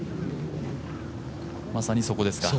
まさにそこですか。